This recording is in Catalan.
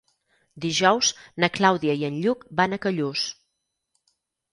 Dijous na Clàudia i en Lluc van a Callús.